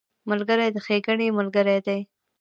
ملګری د ښېګڼې ملګری دی